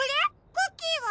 クッキーは？